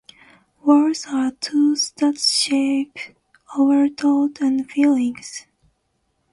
Words are tools that shape our thoughts and feelings.